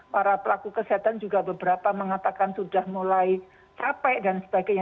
para pelaku kesehatan juga beberapa mengatakan sudah mulai capek dan sebagainya